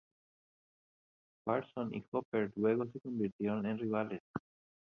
Parsons y Hopper luego se convirtieron en rivales.